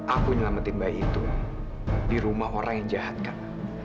aku nyelamatin bayi itu di rumah orang yang jahat kan